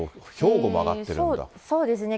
そうですね。